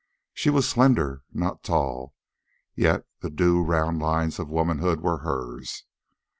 She was slender, not tall, yet the due round lines of womanhood were hers.